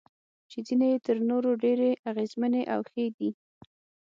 چې ځینې یې تر نورو ډېرې اغیزمنې او ښې دي.